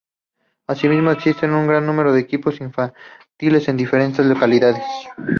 Asimismo, existen un gran número de equipos infantiles en diferentes localidades.